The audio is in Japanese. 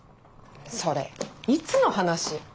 それいつの話？